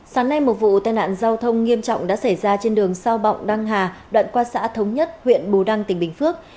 sáng nay một vụ tai nạn giao thông nghiêm trọng đã xảy ra trên đường sao bọng đăng hà đoạn qua xã thống nhất huyện bù đăng tỉnh bình phước